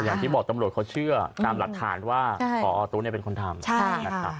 อย่างที่บอกตำรวจเขาเชื่อตามหลักฐานว่าพอตู้เป็นคนทำนะครับ